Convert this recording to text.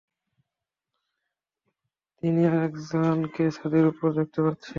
আমি আর একজনকে ছাদের উপর দেখতে পাচ্ছি।